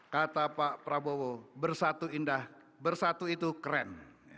kata pak prabowo bersatu indah bersatu itu keren